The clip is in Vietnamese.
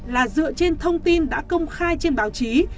là dựa trên thông tin đã công khai trên báo chí